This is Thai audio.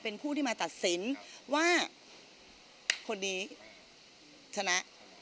เป็นผู้ที่มาตัดสินว่าคนนี้ชนะ